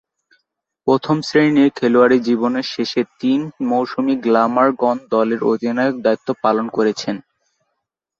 প্রথম-শ্রেণীর খেলোয়াড়ী জীবনের শেষ তিন মৌসুম গ্ল্যামারগন দলের অধিনায়কের দায়িত্ব পালন করেছেন।